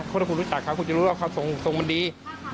เพราะถ้าคุณรู้จักเขาคุณจะรู้ว่าเขาส่งมันดี